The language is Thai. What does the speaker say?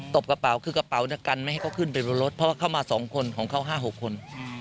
ตบกระเป๋าก็คือกระเป๋าหน้ากันให้ขึ้นบินรถรถเพราะเข้ามา๒คนของเขา๕๖คน